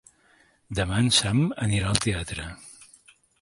Demà en Sam anirà al teatre.